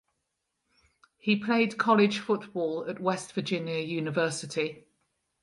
He played college football at West Virginia University.